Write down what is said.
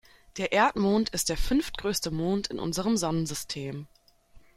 Der Erdmond ist der fünftgrößte Mond in unserem Sonnensystem.